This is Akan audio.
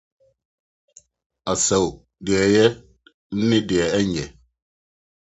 Asaw — Nea Eye ne Nea Enye